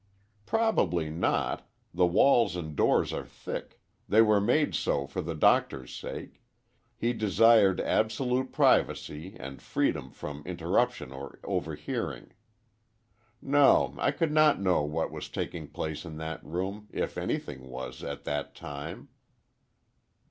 "Probably not. The walls and door are thick—they were made so for the doctor's sake—he desired absolute privacy, and freedom from interruption or overhearing. No, I could not know what was taking place in that room—if anything was, at that time."